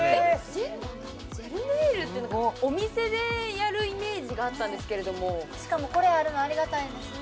ジェルなんだジェルネイルってお店でやるイメージがあったんですけれどもしかもこれあるのありがたいですね